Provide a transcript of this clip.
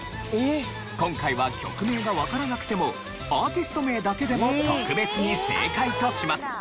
今回は曲名がわからなくてもアーティスト名だけでも特別に正解とします。